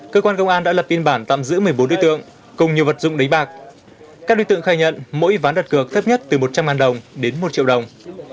cơ quan công an đã lập biên bản tạm giữ một mươi bốn đối tượng cùng nhiều vật dụng đánh bạc các đối tượng khai nhận mỗi ván đặt cược thấp nhất từ một trăm linh đồng đến một triệu đồng